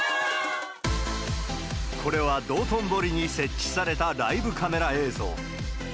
これは道頓堀に設置されたライブカメラ映像。